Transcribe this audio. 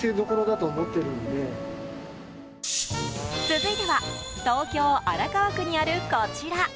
続いては東京・荒川区にある、こちら。